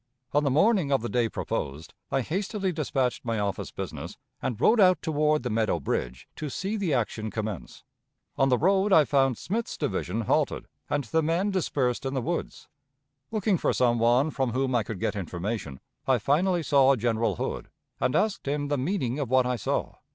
On the morning of the day proposed, I hastily dispatched my office business, and rode out toward the Meadow Bridge to see the action commence. On the road I found Smith's division halted, and the men dispersed in the woods. Looking for some one from whom I could get information, I finally saw General Hood, and asked him the meaning of what I saw.